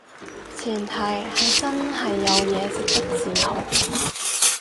前提係真係有嘢值得自豪